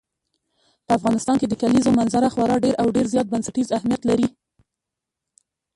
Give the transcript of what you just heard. په افغانستان کې د کلیزو منظره خورا ډېر او ډېر زیات بنسټیز اهمیت لري.